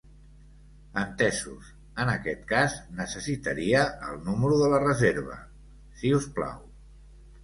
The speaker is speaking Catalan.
Entesos, en aquest cas necessitaria el número de la reserva, si us plau.